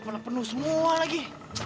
penuh penuh semua lagi